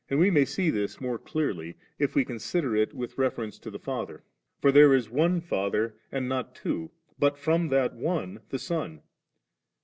Mb t JohajLjab we may see this more deariy, if we con sider it with reference to the Father; for there is One Father, and not two, but from that One the Son.